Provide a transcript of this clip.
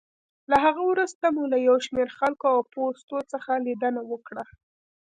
له هغه وروسته مو له یو شمېر خلکو او پوستو څخه لېدنه وکړه.